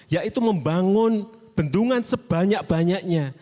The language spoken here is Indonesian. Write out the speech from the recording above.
yaitu membangun bendungan sebanyak banyaknya